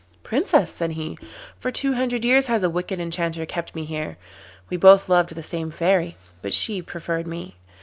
'Princess,' said he, 'for two hundred years has a wicked enchanter kept me here. We both loved the same Fairy, but she preferred me.